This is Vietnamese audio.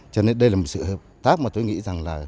cho nên đây là một sự hợp tác mà tôi nghĩ rằng là